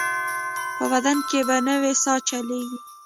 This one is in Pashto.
په بدن کې به نوې ساه چلېږي.